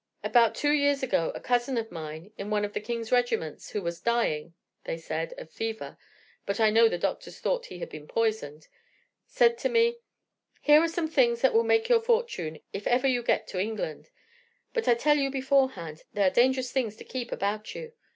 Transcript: About two years ago a cousin of mine, in one of the King's regiments, who was dying, they said, of fever (but I know the doctors thought he had been poisoned), said to me, "Here are some things that will make your fortune if ever you get to England; but I tell you beforehand, they are dangerous things to keep about you.